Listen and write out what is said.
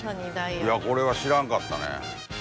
いや、これは知らんかったね。